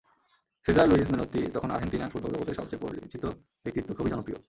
Caesar Luis Menotti তখন আর্হেন্তিনার football জগতের সবচেয়ে পরিচিত ব্যক্তিত্ব, খুবই জনপ্রিয়।